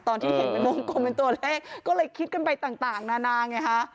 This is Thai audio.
ตอนที่เห็นเป็นวงกลมเป็นตัวเลขก็เลยคิดกันไปต่างนานาไงฮะ